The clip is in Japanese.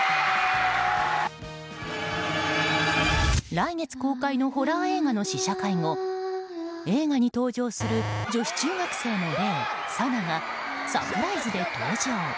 来月公開のホラー映画の試写会後映画に登場する女子中学生の霊さながサプライズで登場。